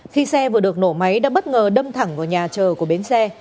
khi xe vừa được nổ máy đã bất ngờ đâm thẳng vào nhà chờ của bến xe